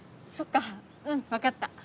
そっかうん分かった。